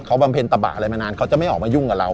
เขาบำเพ็ญตะบะอะไรมานานเขาจะไม่ออกมายุ่งกับเรา